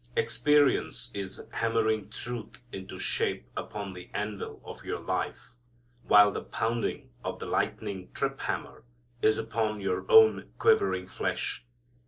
Experience is hammering truth into shape upon the anvil of your life, while the pounding of the lightning trip hammer is upon your own quivering flesh.